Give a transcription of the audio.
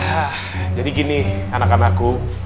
hah jadi gini anak anakku